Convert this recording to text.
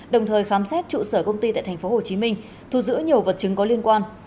đồng thời khám xét trụ sở công ty tại tp hcm thu giữ nhiều vật chứng có liên quan